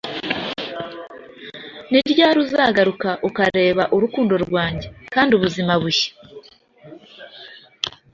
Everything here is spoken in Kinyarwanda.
Ni ryari uzagaruka ukareba urukundo rwanjye, kandi ubuzima bushya?